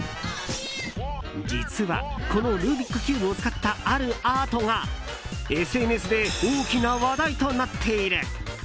実はこのルービックキューブを使ったあるアートがＳＮＳで大きな話題となっている。